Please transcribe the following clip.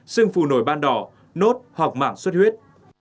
xương phù nổi ban đỏ nốt hoặc mảng suốt huyết